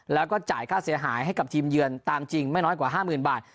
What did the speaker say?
แล้วก็จ่ายค่าเสียหายให้กับทีมเยือนตามจริงไม่น้อยกว่า๕๐๐๐บาท